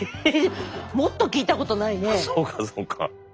そうかそうか。